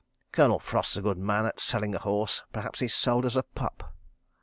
... Colonel Frost's a good man at selling a horse—perhaps he's sold us a pup.